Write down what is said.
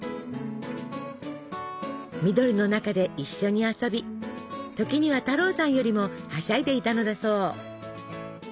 緑の中で一緒に遊び時には太郎さんよりもはしゃいでいたのだそう。